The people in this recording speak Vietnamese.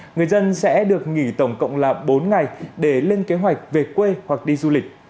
người dân sẽ được nghỉ tổng cộng là bốn ngày để lên kế hoạch về quê hoặc đi du lịch